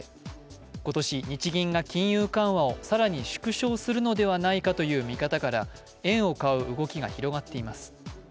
今年、日銀が金融緩和を更に縮小するのではないかという見方から円を買う動きが広がっています。